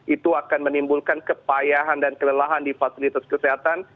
itu akan menimbulkan kepayahan dan kelelahan di fasilitas kesehatan